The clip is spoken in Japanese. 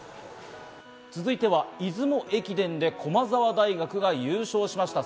続いては出雲駅伝で駒澤大学が優勝しました。